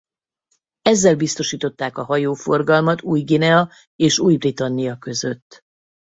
Ezzel biztosították a hajóforgalmat Új-Guinea és Új-Britannia között.